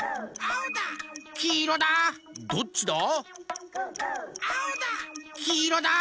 「どっちだ？」